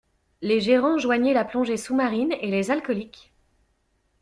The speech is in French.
Les gérants joignaient la plongée sous-marine et les alcooliques.